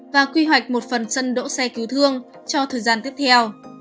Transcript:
và quy hoạch một phần sân đỗ xe cứu thương cho thời gian tiếp theo